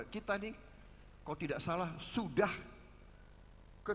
kita nih kalau tidak salah sudah ke